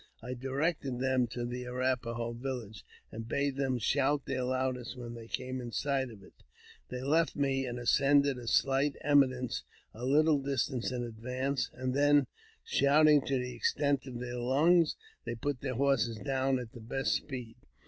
I directed them to the Arrap a ho village, and bade them shout their loudest when they came in sight of it. They left me, and ascended a shght eminence a little distance in advance, and then, shouting to the extent of their lungs, they put their horses down at the best speed.